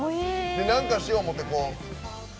なんかしよう思って。